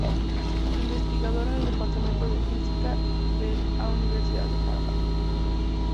Investigadora en el departamento de Física del a Universidad de Harvard.